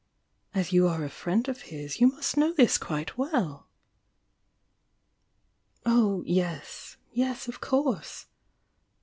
As you are a friend of his you must know this quite weU?" "Oh, yes! — yes, of course!"